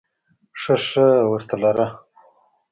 ښه ښه ورته لره !